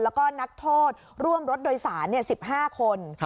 แล้วก็นักโทษร่วมรถโดยสาร๑๕คน